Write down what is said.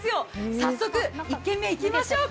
早速、１軒目、いってみましょうか。